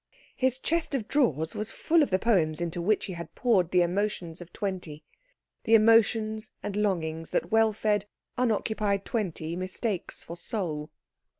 His chest of drawers was full of the poems into which he had poured the emotions of twenty, the emotions and longings that well fed, unoccupied twenty mistakes for soul.